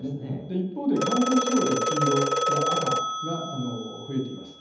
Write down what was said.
一方で関東地方で黄色や赤が増えています。